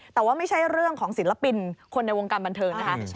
แต่ว่าไม่ใช่เรื่องของศิลปินคนในวงการบันเทิงนะคะ